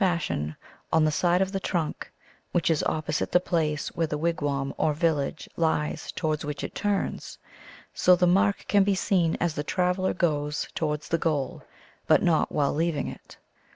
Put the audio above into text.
99 ion, on the side of the trunk which is opposite the place where the wigwam or village lies towards which it turns. So the mark can be seen as the traveler goes towards the goal, but not while leaving it.